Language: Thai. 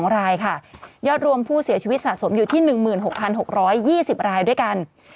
๒รายค่ะยอดรวมผู้เสียชีวิตสะสมอยู่ที่๑๖๖๒๐รายด้วยกัน